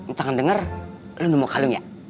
ncang denger lu nemuin kalung ya